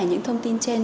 những thông tin trên